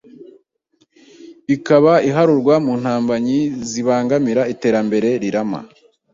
ikaba iharurwa mu ntambanyi zibangamira iterambere rirama.